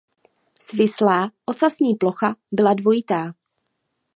Svislá ocasní plocha byla dvojitá.